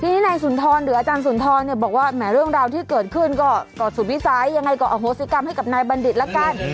ทีนี้นายสุนทรหรืออาจารย์สุนทรเนี่ยบอกว่าแหมเรื่องราวที่เกิดขึ้นก็สุดวิสัยยังไงก็อโหสิกรรมให้กับนายบัณฑิตละกัน